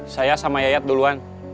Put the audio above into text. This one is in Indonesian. saya sama yayat duluan